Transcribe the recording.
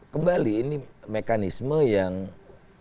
kembali ini mekanisme yang merupakan ekonomi